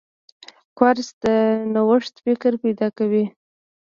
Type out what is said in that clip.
کورس د نوښت فکر پیدا کوي.